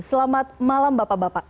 selamat malam bapak bapak